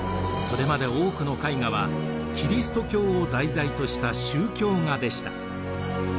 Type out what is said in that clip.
それまで多くの絵画はキリスト教を題材とした宗教画でした。